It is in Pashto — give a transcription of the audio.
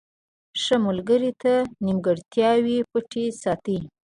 • ښه ملګری ستا نیمګړتیاوې پټې ساتي.